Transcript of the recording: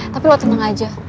tapi lo tenang aja